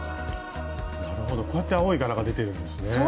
なるほどこうやって青い柄が出てるんですね。